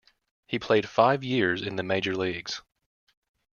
He played five years in the major leagues.